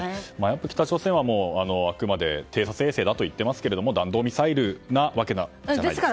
北朝鮮は、あくまで偵察衛星だと言っていますが弾道ミサイルなわけじゃないですか。